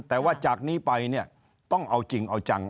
แต่ว่าจากนี้ไปเนี่ยต้องเอาจริงเอาจัง